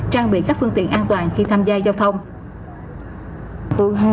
trang bị các phương tiện an toàn khi tham gia giao thông